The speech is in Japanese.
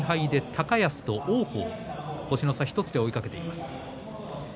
高安と王鵬を星の差１つで追いかけています。